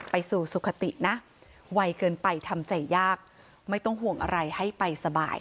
ไปสู่สุขตินะไวเกินไปทำใจยากไม่ต้องห่วงอะไรให้ไปสบาย